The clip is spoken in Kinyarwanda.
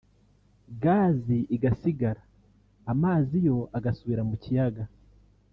gazi igasigara amazi yo agasubira mu kiyaga